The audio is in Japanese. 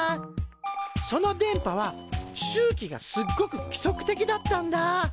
その電波は周期がすっごく規則的だったんだ。